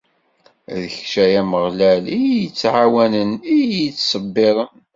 D kečč, ay Ameɣlal, i iyi-ittɛawanen, i iyi-ittṣebbiren!